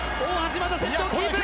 まだ先頭キープ。